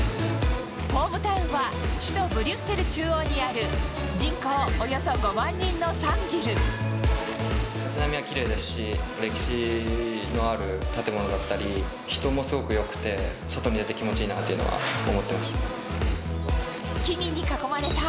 ホームタウンは、首都ブリュッセル中央にある、街並みはきれいですし、歴史のある建物だったり、人もすごくよくて、外に出て気持ちいいなというのは思ってました。